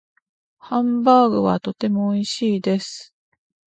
ハンバーグはとても美味しいです。